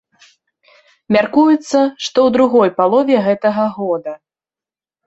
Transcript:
Мяркуецца, што ў другой палове гэтага года.